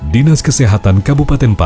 dinas kesehatan kabupaten